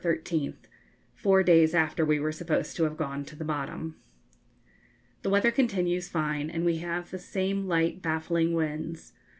13, four days after we were supposed to have gone to the bottom.) The weather continues fine, and we have the same light baffling winds.